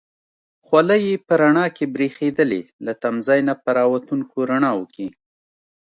خولۍ یې په رڼا کې برېښېدلې، له تمځای نه په را وتونکو رڼاوو کې.